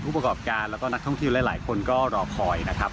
ประกอบการแล้วก็นักท่องเที่ยวหลายคนก็รอคอยนะครับ